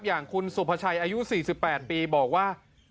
อย่างคุณสุภาชัยอายุ๔๘ปีบอกว่า